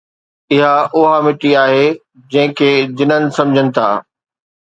اها اُها مٽي آهي جنهن کي جنن سمجهن ٿا